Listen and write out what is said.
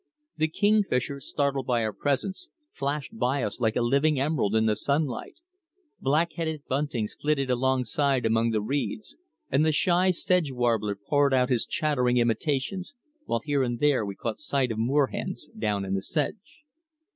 The kingfisher, startled by our presence, flashed by us like a living emerald in the sunlight; black headed buntings flitted alongside among the reeds, and the shy sedge warbler poured out his chattering imitations, while here and there we caught sight of moor hens down in the sedge.